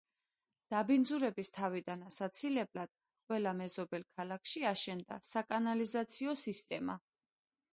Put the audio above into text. დაბინძურების თავიდან ასაცილებლად, ყველა მეზობელ ქალაქში აშენდა საკანალიზაციო სისტემა.